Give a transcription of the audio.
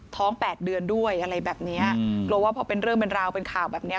แปดเดือนด้วยอะไรแบบเนี้ยกลัวว่าพอเป็นเรื่องเป็นราวเป็นข่าวแบบเนี้ย